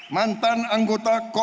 mantan anggota komnas ham